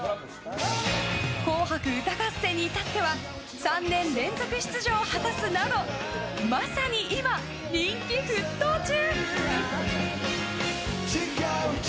「紅白歌合戦」に至っては３年連続出場を果たすなどまさに今、人気沸騰中。